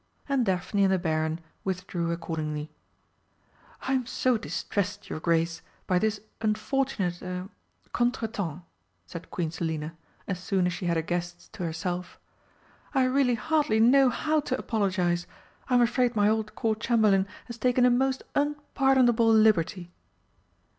And Daphne and the Baron withdrew accordingly. "I'm so distressed, your Grace, by this unfortunate er contretemps," said Queen Selina, as soon as she had her guests to herself. "I really hardly know how to apologise. I'm afraid my old Court Chamberlain has taken a most unpardonable liberty."